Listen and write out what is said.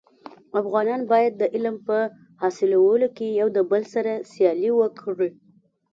افغانان باید د علم په حاصلولو کي يو دبل سره سیالي وکړي.